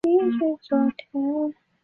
这些材料由于战乱而散失。